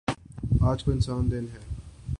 آج کونسا دن ہے؟